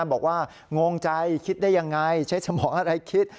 บอกว่างงใจคิดได้ยังไงใช้สมองอะไรคิด